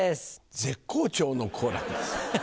絶好調の好楽です。